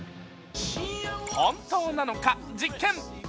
本当なのか、実験！